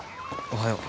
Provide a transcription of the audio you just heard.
おはよう。